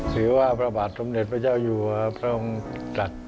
ถือว่าพระบาทสมเด็จพระเจ้าอยู่พระองค์จัด